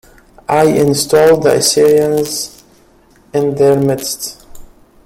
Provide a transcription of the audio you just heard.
I installed the Assyrians in their midst.